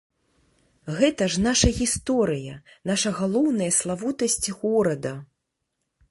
Гэта ж наша гісторыя, наша галоўная славутасць горада.